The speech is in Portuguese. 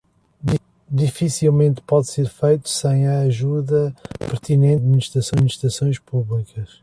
Dificilmente pode ser feito sem a ajuda pertinente das administrações públicas.